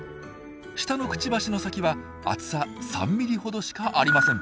下のクチバシの先は厚さ３ｍｍほどしかありません。